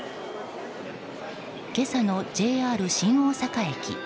今朝のＪＲ新大阪駅。